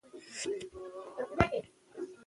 که ترافیکي اصول مراعات کړو نو سړک نه بندیږي.